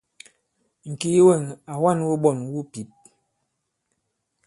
Ŋ̀kìi wɛ̂ŋ à wa᷇n wuɓɔn wu pǐp.